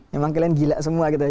memang kalian gila semua gitu ya